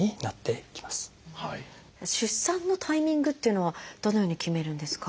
出産のタイミングっていうのはどのように決めるんですか？